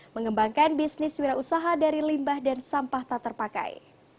mengembangkan bisnis wira usaha dari limbah dan sampah tak terpakai